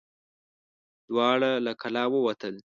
دواړه له کلا ووتل.